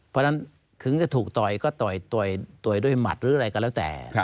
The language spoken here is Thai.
เพราะฉะนั้นถึงจะถูกต่อยก็ต่อยด้วยหมัดหรืออะไรก็แล้วแต่